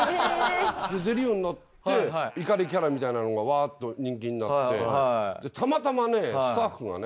出るようになって怒りキャラみたいなのがうわぁっと人気になってたまたまねスタッフがね